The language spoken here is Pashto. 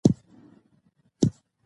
غوره کړى وي.